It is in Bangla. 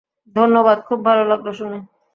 ধন্যবাদ, খুব ভালো লাগলো শুনে।